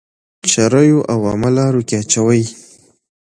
چريو او عامه لارو کي اچوئ.